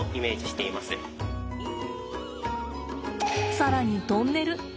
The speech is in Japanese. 更にトンネル。